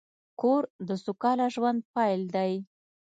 کور د سوکاله ژوند پیل دی.